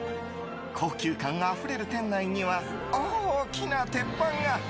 高級感あふれる店内には大きな鉄板が。